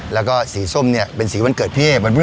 แล้วก็สีส้มเนี่ยเป็นสีวันเกิดพี่เอ๊วันเมื่อ